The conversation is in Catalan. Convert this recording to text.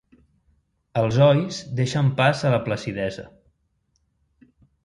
Els ois deixen pas a la placidesa.